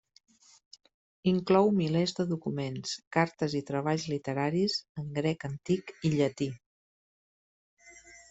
Inclou milers de documents, cartes i treballs literaris en grec antic i llatí.